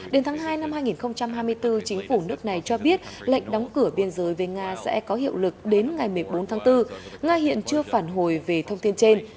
đến tháng hai năm hai nghìn hai mươi bốn chính phủ nước này cho biết lệnh đóng cửa biên giới về nga sẽ có hiệu lực đến ngày một mươi bốn tháng bốn nga hiện chưa phản hồi về thông tin trên